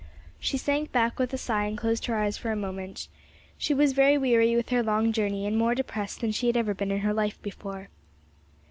She sank back with a sigh and closed her eyes for a moment. She was very weary with her long journey and more depressed than she had ever been in her life before.